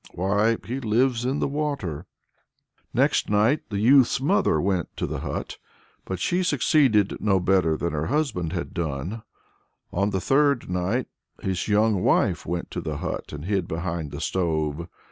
Why, he lives in the water!" Next night the youth's mother went to the hut, but she succeeded no better than her husband had done. So on the third night his young wife went to the hut and hid behind the stove.